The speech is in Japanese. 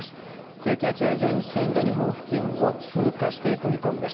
低気圧や前線が日本付近を通過していく見込みです。